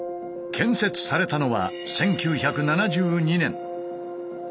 建設されたのは１９７２年。